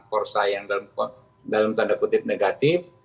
kursa yang dalam tanda kutip negatif